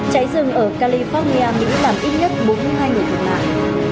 cháy rừng ở california mỹ làm ít nhất bốn mươi hai người thương mại